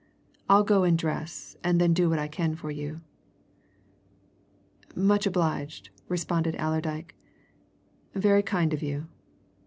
I'll go and dress, and then do what I can for you." "Much obliged," responded Allerdyke. "Very kind of you.